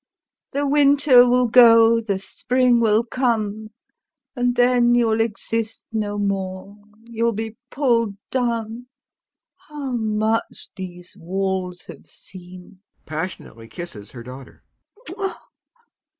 The winter will go, the spring will come, and then you'll exist no more, you'll be pulled down. How much these walls have seen!